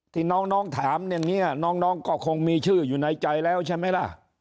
ที่น้องถามอย่างนี้น้องก็คงมีชื่ออยู่ในใจแล้วใช่ไหมล่ะ